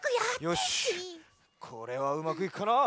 これはうまくいくかな。